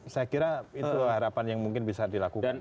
saya kira itu harapan yang mungkin bisa dilakukan